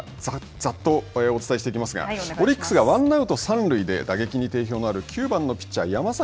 ざっといきますが、オリックスがワンアウト、三塁で打撃に定評のある９番のピッチャー山崎